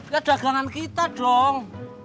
ya dagangan kita dong